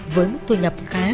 với mức thu nhập khá